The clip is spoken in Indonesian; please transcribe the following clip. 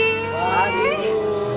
selamat pagi bu